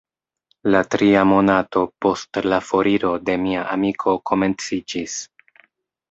La tria monato post la foriro de mia amiko komenciĝis.